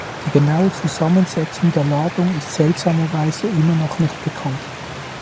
Die genaue Zusammensetzung der Ladung ist seltsamerweise immer noch nicht bekannt.